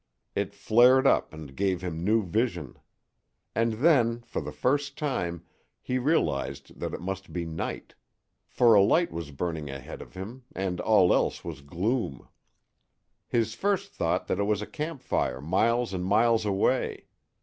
It flared up and gave him new vision. And then, for the first time, he realized that it must be night. For a light was burning ahead of him, and all else was gloom. His first thought was that it was a campfire miles and miles away.